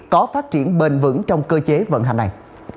có phát triển bền vững trong cơ chế vận hành này